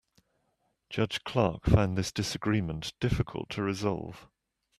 Judge Clark found this disagreement difficult to resolve.